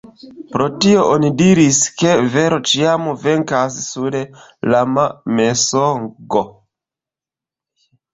Pro tio oni diris ke vero ĉiam Venkas sur lama Mensogo.